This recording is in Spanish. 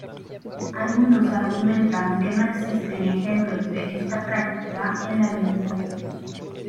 Algunas argumentan que no existen ejemplos de esta práctica en la Biblia.